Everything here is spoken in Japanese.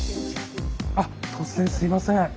突然すいません。